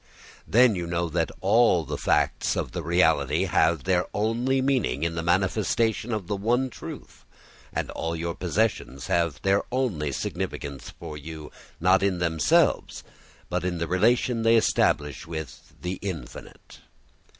Then you know that all the facts of the reality have their only meaning in the manifestation of the one truth, and all your possessions have their only significance for you, not in themselves but in the relation they establish with the infinite.